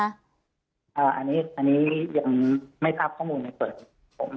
อันนี้ยังไม่ทราบข้อมูลในส่วนของผม